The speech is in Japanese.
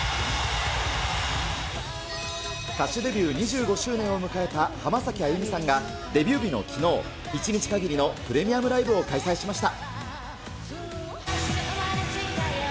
歌手デビュー２５周年を迎えた浜崎あゆみさんがデビュー日のきのう、一日限りのプレミアムライブを開催しました。